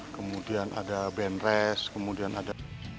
kemudian ada band rest kemudian ada